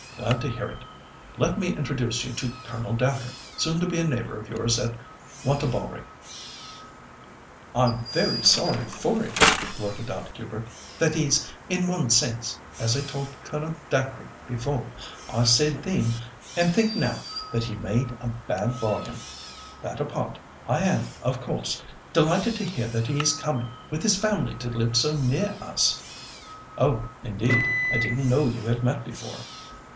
Glad to hear it. Let me introduce you to Colonel Dacre, soon to be a neighbour of yours at Wantabalree." "I'm very sorry for it," blurted out Hubert. "That is, in one sense, as I told Colonel Dacre before. I said then, and think now, that he made a bad bargain. That apart, I am, of course, delighted to hear that he is coming with his family to live so near us." "Oh! indeed; I didn't know you had met before."